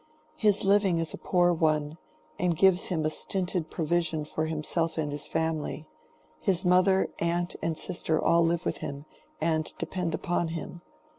His living is a poor one, and gives him a stinted provision for himself and his family. His mother, aunt, and sister all live with him, and depend upon him.